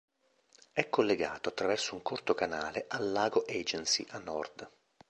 È collegato attraverso un corto canale al lago Agency, a nord.